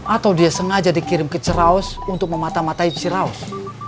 atau dia sengaja dikirim ke ciraus untuk mematah matahi ciraus